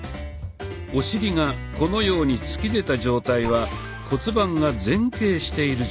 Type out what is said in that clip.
お尻がこのように突き出た状態は骨盤が前傾している状態。